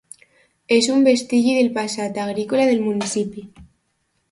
És un vestigi del passat agrícola del municipi.